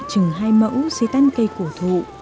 trừng hai mẫu xây tan cây cổ thụ